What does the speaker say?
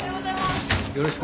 よろしく。